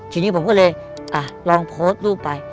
ทีนี้ผมก็เลยลองโพสต์รูปไป